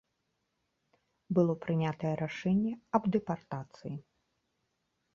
Было прынятае рашэнне аб дэпартацыі.